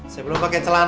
saya belum pakai celana